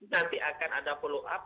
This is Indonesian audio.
nanti akan ada follow up